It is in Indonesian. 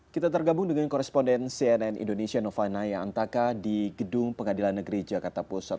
kita tergabung dengan koresponden cnn indonesia nova naya antaka di gedung pengadilan negeri jakarta pusat